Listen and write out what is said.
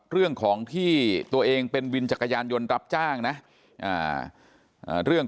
เรื่องของที่ตัวเองเป็นวินจักรยานยนต์รับจ้างนะเรื่อง